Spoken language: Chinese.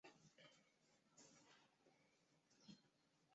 拉帕尔马是达连省首府。